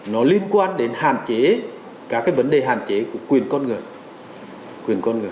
nó liên quan đến hạn chế các cái vấn đề hạn chế của quyền con người quyền con người